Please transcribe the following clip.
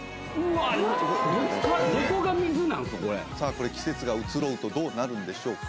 これ季節が移ろうとどうなるんでしょうか。